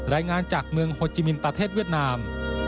รายงานจากเมืองโฮจิมินประเทศเวียดนาม